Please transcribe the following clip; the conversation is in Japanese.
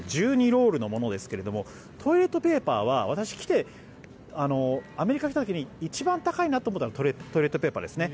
１２ロールのものですがトイレットペーパーは私、アメリカに来た時に一番高いなと思ったのがトイレットペーパーですね。